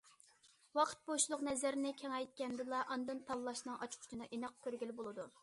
ۋاقىت- بوشلۇق نەزىرىنى كېڭەيتكەندىلا، ئاندىن تاللاشنىڭ ئاچقۇچىنى ئېنىق كۆرگىلى بولىدۇ.